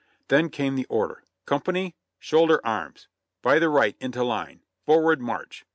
Then came the order, "Company ! Shoulder arms ! By the right into line! Forward, march!